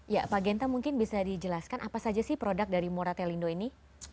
ya pak genta mungkin bisa dijelaskan apa saja sih produk dari moratelindo ini